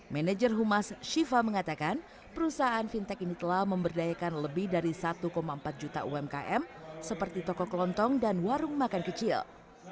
manager humas shiva mengatakan perusahaan fintech ini telah memberdayakan lebih dari satu empat juta umkm seperti toko kelontong dan warung makan kecil